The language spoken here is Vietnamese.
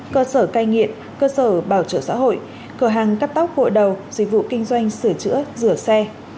cơ sở cai nghiện cơ sở bảo trợ xã hội cửa hàng cắt tóc vội đầu dịch vụ kinh doanh sửa chữa rửa xe